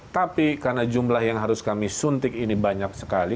tapi karena jumlah yang harus kami suntik ini banyak sekali